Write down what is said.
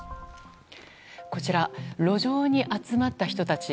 こちら、路上に集まった人たち。